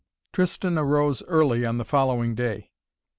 Tristan arose early on the following day.